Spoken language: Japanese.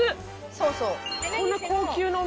そうそう。